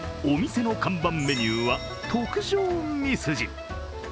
お店の看板メニューは特上みすじ。